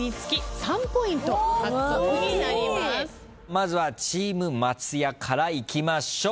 まずはチーム松也からいきましょう。